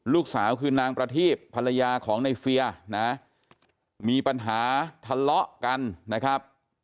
ลูกสาวคือนางประทีบภรรยาของในเฟียนะมีปัญหาทะเลาะกันนะครับ